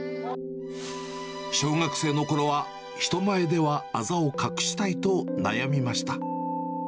小学生のころは人前ではあざを隠したいと悩みました。